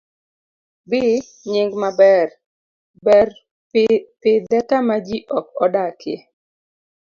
B. Nying maber. Ber pidhe kama ji ok odakie.